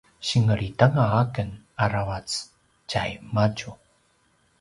singlitanga aken aravac tjaimadju